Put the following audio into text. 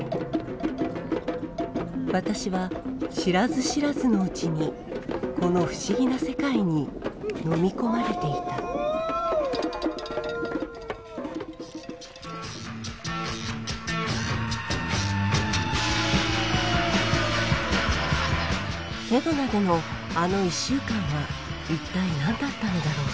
私は知らず知らずのうちにこの不思議な世界にのみ込まれていたセドナでのあの１週間は一体何だったのだろう？